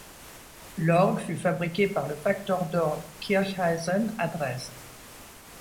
L'orgue fut fabriqué par le facteur d'orgues Kircheisen à Dresde.